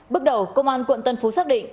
bước đầu công an quận tân phú xác định